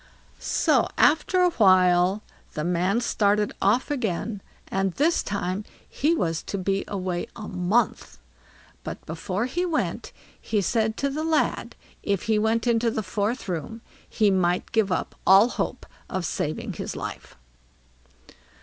So after a while the man started off again, and this time he was to be away a month. But before he went, he said to the lad, if he went into the fourth room he might give up all hope of saving his life.